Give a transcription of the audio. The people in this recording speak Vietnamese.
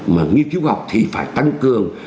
mà nghiên cứu khoa học thì phải tăng cường